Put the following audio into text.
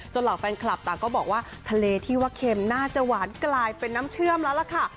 เหล่าแฟนคลับต่างก็บอกว่าทะเลที่ว่าเค็มน่าจะหวานกลายเป็นน้ำเชื่อมแล้วล่ะค่ะ